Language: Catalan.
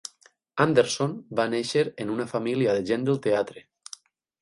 Anderson va néixer en una família de gent del teatre.